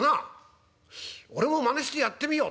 俺もまねしてやってみよう」。